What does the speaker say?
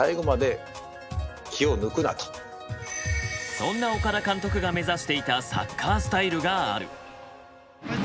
そんな岡田監督が目指していたサッカースタイルがある。